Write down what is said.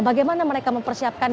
bagaimana mereka mempersiapkan